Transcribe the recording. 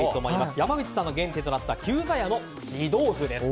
山口さんの原点となった久在屋の地豆腐です。